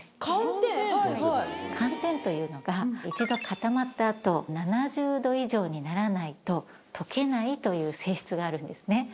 寒天というのが一度固まった後７０度以上にならないと溶けないという性質があるんですね。